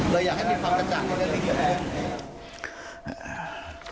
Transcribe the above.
เลยอยากให้มีความกระจัดในเรื่องนี้